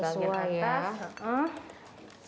di bagian atas